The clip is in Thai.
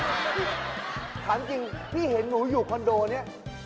ถามจริงพี่เห็นหนูอยู่คอนโดนี้